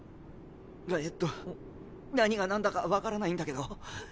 えっと何が何だか分からないんだけど。